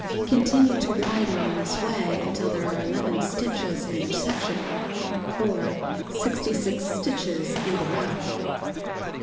Continue to widen in this way until there are 11 stitches in each section, or 66 stitches in the row.